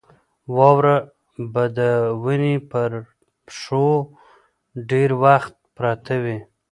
واوره به د ونې پر پښو ډېر وخت پرته وي.